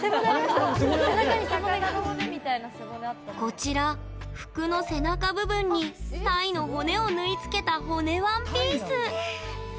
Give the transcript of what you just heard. こちら、服の背中部分にタイの骨を縫い付けた骨ワンピース。